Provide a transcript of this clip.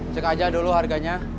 cek aja dulu harganya